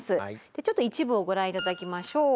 ちょっと一部をご覧頂きましょう。